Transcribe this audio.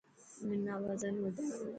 منا وزن وڌاڻو هي.